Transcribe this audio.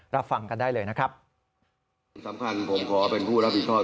รับฟังกันได้เลยนะครับ